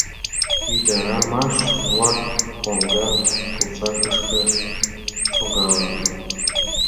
Ӱдырамаш-влак коҥга пусакышке шогалыт.